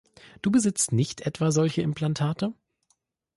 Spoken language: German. Du besitzt nicht etwa solche Implantate?